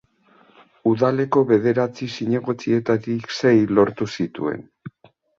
Udaleko bederatzi zinegotzietatik sei lortu zituen.